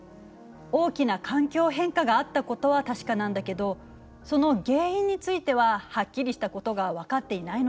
大きな環境変化があったことは確かなんだけどその原因についてははっきりしたことが分かっていないのよね。